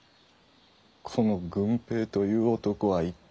この「郡平」という男は一体。